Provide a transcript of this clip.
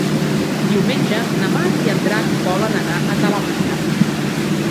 Diumenge na Mar i en Drac volen anar a Talamanca.